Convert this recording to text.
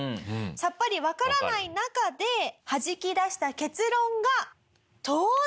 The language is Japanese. さっぱりわからない中ではじき出した結論が。